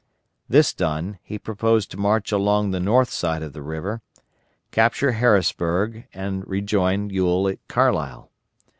This done, he proposed to march along the north side of the river, capture Harrisburg and rejoin Ewell at Carlisle.